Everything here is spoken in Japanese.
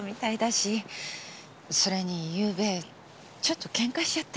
それにゆうべちょっとケンカしちゃって。